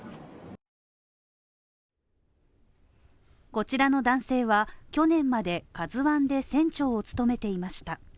こちらの男性は去年まで「ＫＡＺＵ１」で船長を務めていました。